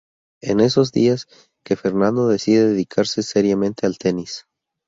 Es en esos días que Fernando decide dedicarse seriamente al tenis.